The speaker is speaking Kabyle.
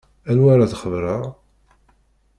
Anwa ara d-xebbṛeɣ?